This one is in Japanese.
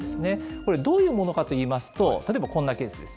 これどういうものかといいますと、例えばこんなケースです。